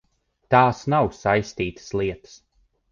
Tās nav saistītas lietas.